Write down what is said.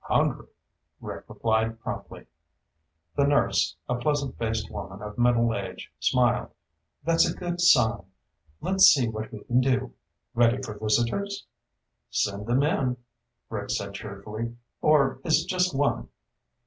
"Hungry," Rick replied promptly. The nurse, a pleasant faced woman of middle age, smiled. "That's a good sign. Let's see what we can do. Ready for visitors?" "Send them in," Rick said cheerfully. "Or is it just one?"